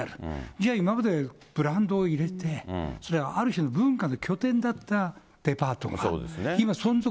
じゃあ、今までブランドを入れて、それ、ある種の文化の拠点だったデパートが、今、存続